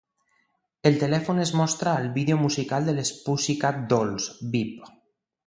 El telèfon es mostra al vídeo musical de les Pussycat Dolls "Beep".